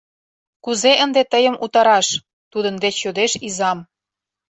— Кузе ынде тыйым утараш? — тудын деч йодеш изам.